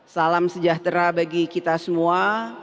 salam sejahtera bagi kita semua